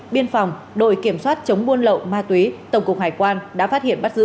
biên phòng đội kiểm soát chống buôn lậu ma túy tổng cục hải quan đã phát hiện bắt giữ